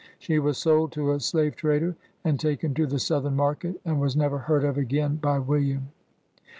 She was sold to a slave trader, and taken to the Southern market, and was never heard of again by William.